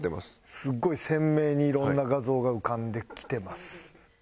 すっごい鮮明に色んな画像が浮かんできてます。